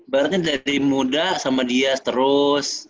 berarti dari muda sama dia terus